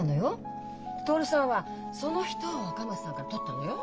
徹さんはその人を赤松さんからとったのよ。